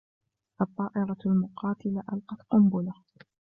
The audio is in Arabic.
الطائرة المقاتلة ألقت قنبلة.